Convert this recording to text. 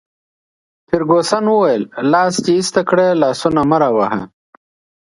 فرګوسن وویل: لاس دي ایسته کړه، لاسونه مه راوهه.